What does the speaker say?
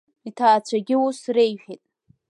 Иҭаацәагь ус реиҳәеит…